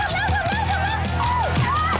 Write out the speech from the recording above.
เดี๋ยว